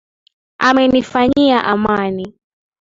Amenifanyia amani.